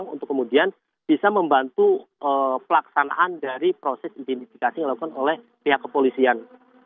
untuk kemudian bisa membantu pelaksanaan dari proses identifikasi yang dilakukan oleh pihak kepolisian